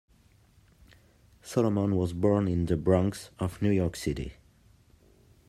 Solomon was born in the Bronx of New York City.